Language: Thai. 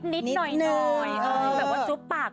นิดหน่อยแบบว่าจุ๊บปาก